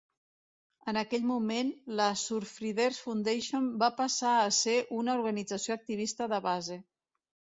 En aquell moment, la Surfrider Foundation va passar a ser una organització activista de base.